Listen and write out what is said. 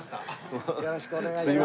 よろしくお願いします。